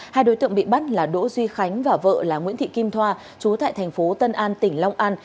hai đối tượng bị bắt là đỗ duy khánh và vợ là nguyễn thị kim thoa chú tại thành phố tân an tỉnh long an